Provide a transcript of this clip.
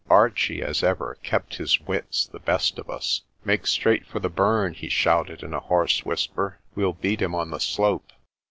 Archie, as ever, kept his wits the best of us. "Make straight for the burn," he shouted in a hoarse whisper; "we'll beat him on the slope."